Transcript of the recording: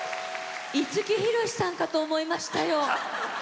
五木ひろしさんかと思いましたよ！